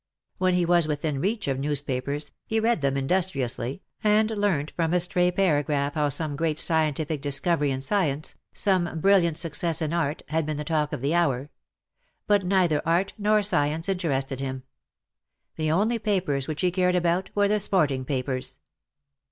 When he was within reach of newspapers he read them industriously, and learnt from a stray paragraph how some great scientific discovery in science, some brilliant success in art, had been the talk of the hour ; but neither art nor science interested him. The only papers which he cared about were the sporting papers.